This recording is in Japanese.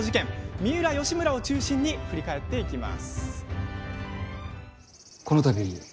三浦義村を中心に振り返っていきます。